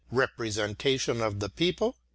Representation of the People_?